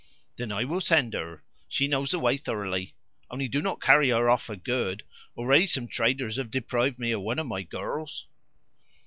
"Then I will send her. She knows the way thoroughly. Only do not carry her off for good. Already some traders have deprived me of one of my girls."